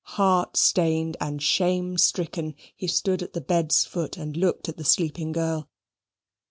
Heart stained, and shame stricken, he stood at the bed's foot, and looked at the sleeping girl.